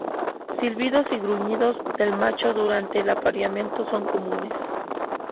Silbidos y gruñidos del macho durante el apareamiento son comunes.